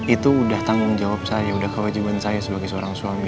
itu udah tanggung jawab saya udah kewajiban saya sebagai seorang suami